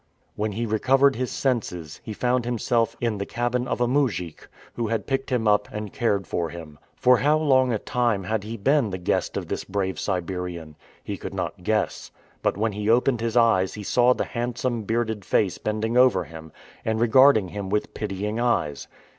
When he recovered his senses, he found himself in the cabin of a mujik, who had picked him up and cared for him. For how long a time had he been the guest of this brave Siberian? He could not guess. But when he opened his eyes he saw the handsome bearded face bending over him, and regarding him with pitying eyes.